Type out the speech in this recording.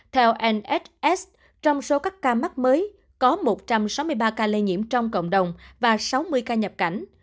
theoss trong số các ca mắc mới có một trăm sáu mươi ba ca lây nhiễm trong cộng đồng và sáu mươi ca nhập cảnh